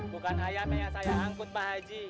bukan ayamnya yang saya angkut pak haji